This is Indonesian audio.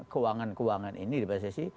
keuangan keuangan ini di pssi